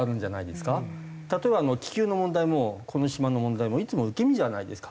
例えば気球の問題もこの島の問題もいつも受け身じゃないですか。